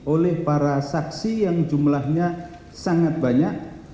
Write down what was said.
oleh para saksi yang jumlahnya sangat banyak